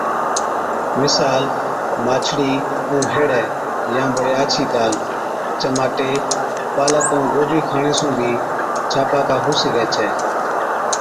مثال، ماڇڙِي ائُون هيڙَي يان بڙي آڇِي دال، چماٽي، پالڪ ائُون گوبِي کاڻي سُون بِي ڇاپاڪا هُو سِگھَي ڇَي۔